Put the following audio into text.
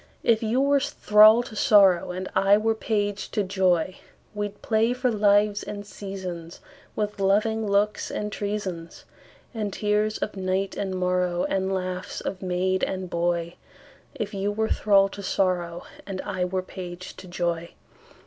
If you were thrall to sorrow, And I were page to joy, We'd play for lives and seasonsWith loving looks and treasonsAnd tears of night and morrowAnd laughs of maid and boy; If you were thrall to sorrow, And I were page to joy.